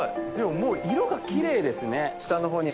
もう色がキレイですね。